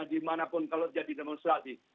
dimanapun kalau jadi demonstrasi